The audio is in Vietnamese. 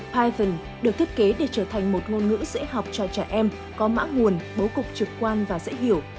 python được thiết kế để trở thành một ngôn ngữ dễ học cho trẻ em có mã nguồn bố cục trực quan và dễ hiểu